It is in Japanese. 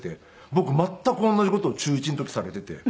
僕全く同じ事を中１の時にされてて。